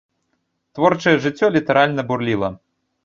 Творчае жыццё літаральна бурліла.